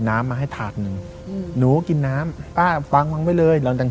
น้ำมาให้ถาดหนึ่งอืมหนูก็กินน้ำป้าฟังมึงไว้เลยเราดัง